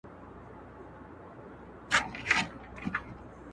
اصحاب پکښې غمي دي محمده